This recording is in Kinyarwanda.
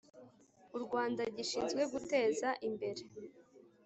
u Rwanda gishinzwe guteza imbere